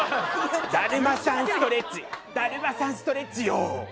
だるまさんストレッチだるまさんストレッチよ！